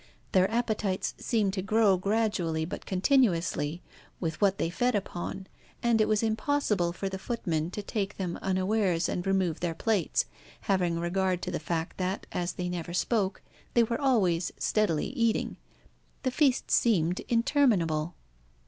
Their appetites seemed to grow gradually but continuously, with what they fed upon, and it was impossible for the tall footmen to take them unawares and remove their plates, having regard to the fact that, as they never spoke, they were always steadily eating. The feast seemed interminable.